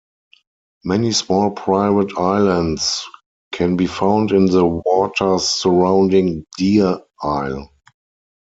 Many small private islands can be found in the waters surrounding Deer Isle.